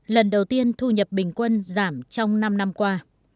lần đầu tiên thu nhập bình quân giảm trong năm năm qua